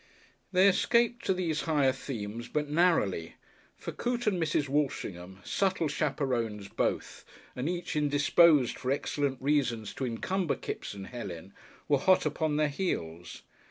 They escaped to these higher themes but narrowly, for Coote and Mrs. Walshingham, subtle chaperones both, and each indisposed for excellent reasons to encumber Kipps and Helen, were hot upon their heels.